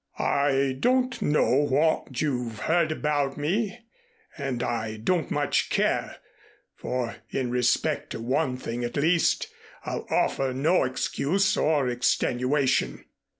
I don't know what you've heard about me, and I don't much care, for in respect to one thing at least I'll offer no excuse or extenuation.